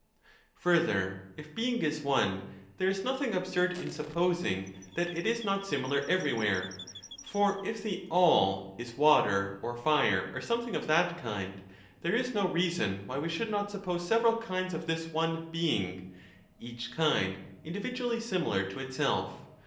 2 Further, if Being is one, there is nothing absurd in sup posing that it is not similar everywhere. For if the All 976 b is water or fire or something of that kind, there is no reason why we should not suppose several kinds of this one Being, each kind individually similar to itself.